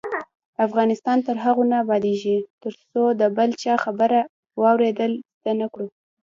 افغانستان تر هغو نه ابادیږي، ترڅو د بل چا خبره واوریدل زده نکړو.